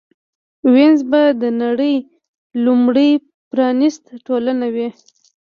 وینز به د نړۍ لومړۍ پرانېسته ټولنه وي